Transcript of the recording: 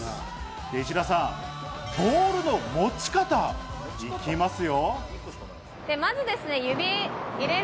石田さん、ボールの持ち方、行きますよ。